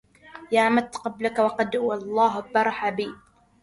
يا مت قبلك قد والله برح بي